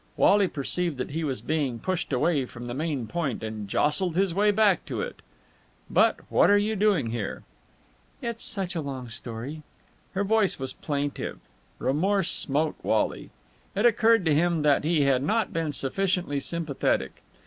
Wally perceived that he was being pushed away from the main point, and jostled his way back to it. "But what are you doing here?" "It's such a long story." Her voice was plaintive. Remorse smote Wally. It occurred to him that he had not been sufficiently sympathetic.